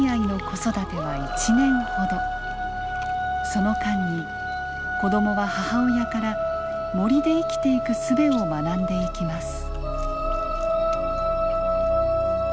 その間に子どもは母親から森で生きていくすべを学んでいきます。